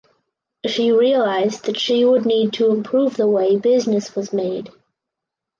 She realised that she would need to improve the way business was made.